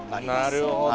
なるほど。